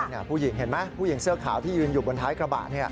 เห็นมั้ยผู้หญิงเสื้อขาวที่ยืนอยู่บนท้ายกระบะเนี่ย